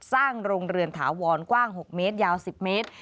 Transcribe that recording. สร้างโรงเรือนถาวรกว้าง๖เมตรยาว๑๐เมตร